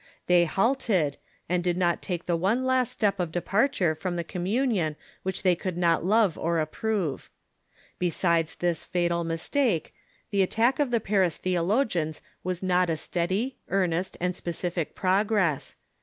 They halted, and did not take the one last step of departure from the communion which they could not love or approve. Besides this fatal mistake, the attack of the Paris theologians was not a steady, earnest, and specific progress.